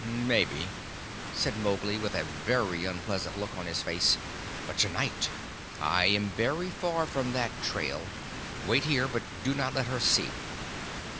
"Maybe," said Mowgli, with a very unpleasant look on his face; "but to night I am very far from that trail. Wait here, but do not let her see."